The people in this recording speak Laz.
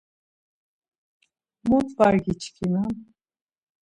Moro var giçkinan.